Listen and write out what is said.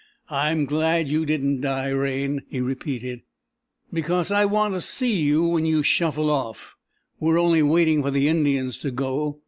"I'm glad you didn't die, Raine," he repeated, "because I want to see you when you shuffle off. We're only waiting for the Indians to go.